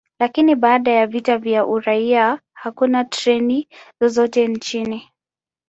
Lakini baada ya vita vya uraia, hakuna treni zozote nchini.